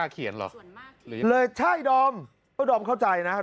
ก็เลยต้องเข้าไฟฟ้าเขียนเหรอ